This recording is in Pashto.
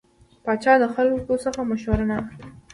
پاچا د خلکو څخه مشوره نه اخلي .